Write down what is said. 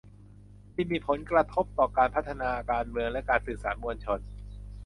ที่มีผลกระทบต่อการพัฒนาการเมืองและการสื่อสารมวลชน